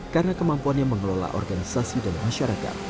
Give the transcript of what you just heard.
karena kemampuannya mengelola organisasi dan masyarakat